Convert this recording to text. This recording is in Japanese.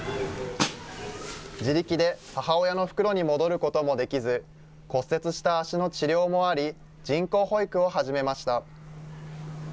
自力で母親の袋に戻ることもできず、骨折した足の治療もあり、人工保育を始めました。